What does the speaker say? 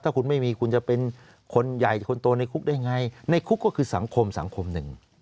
ถ้าคุณไม่มีคุณจะเป็นคนใหญ่คนโตในคุกได้ไงในคุกก็คือสังคมสังคมหนึ่ง